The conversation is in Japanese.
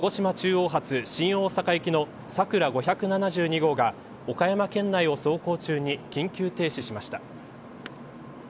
昨日午後１０時１０分すぎ鹿児島中央発新大阪行きのさくら５７２号が岡山県内を走行中に緊急停止しました。